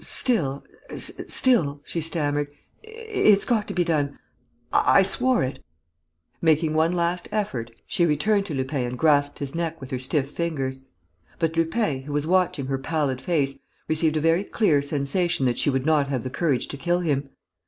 "Still ... still," she stammered, "it's got to be done.... I swore it...." Making one last effort, she returned to Lupin and gasped his neck with her stiff fingers. But Lupin, who was watching her pallid face, received a very clear sensation that she would not have the courage to kill him.